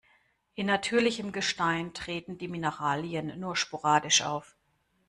In natürlichem Gestein treten die Mineralien nur sporadisch auf.